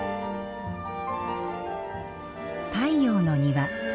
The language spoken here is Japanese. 太陽の庭。